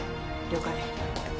了解。